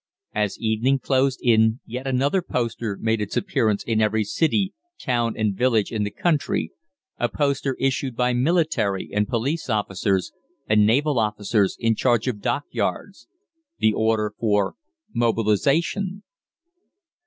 As evening closed in yet another poster made its appearance in every city, town, and village in the country, a poster issued by military and police officers, and naval officers in charge of dockyards the order for mobilisation.